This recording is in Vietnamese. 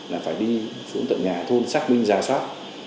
là phải đi xuống tận nhà thôn xác minh giả soát